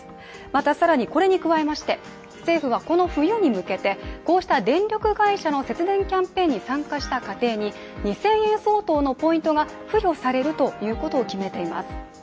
また更にこれに加えまして政府はこの冬に向けてこうした電力会社の節電キャンペーンに参加した家庭に、２０００円相当のポイントが付与されるということを決めています。